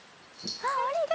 あっ下りた。